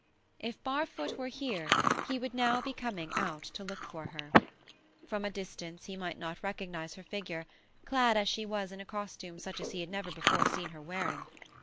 If Barfoot were here he would now be coming out to look for her. From a distance he might not recognize her figure, clad as she was in a costume such as he had never seen her wearing.